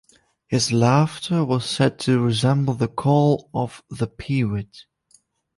His laughter was said to resemble the call of the peewit.